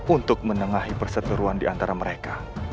untuk menengahi perseturuan diantar mereka